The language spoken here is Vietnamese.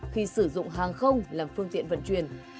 khi sử dụng hàng không làm phương tiện vận chuyển